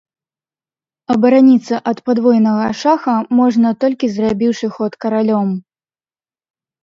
Абараніцца ад падвойнага шаха можна толькі зрабіўшы ход каралём.